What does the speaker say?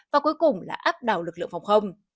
và cuối cùng là áp đảo lực lượng phòng không